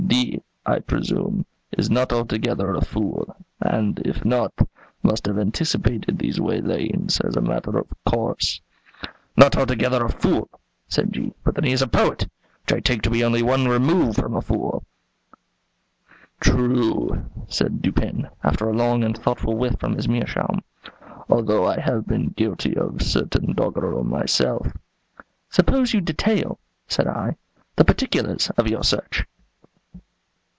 "D , I presume, is not altogether a fool, and, if not, must have anticipated these waylayings, as a matter of course." "Not altogether a fool," said G , "but then he is a poet, which I take to be only one remove from a fool." "True," said Dupin, after a long and thoughtful whiff from his meerschaum, "although I have been guilty of certain doggerel myself." "Suppose you detail," said I, "the particulars of your search."